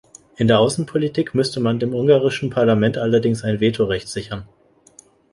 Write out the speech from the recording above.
In der Außenpolitik müsste man dem ungarischen Parlament allerdings ein Vetorecht sichern.